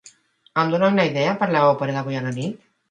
Em dona una idea per a l'òpera d'avui a la nit?